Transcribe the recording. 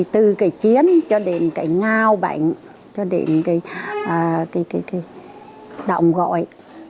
từ chiến cho đến ngao bánh cho đến động gọi